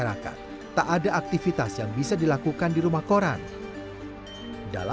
tetap selalu dilindungi oleh yang maha kuasa